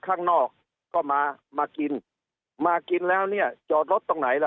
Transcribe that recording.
ข้างนอกก็มามากินมากินแล้วเนี่ยจอดรถตรงไหนล่ะ